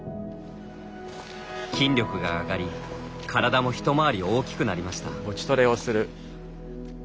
筋力が上がり体も一回り大きくなりました。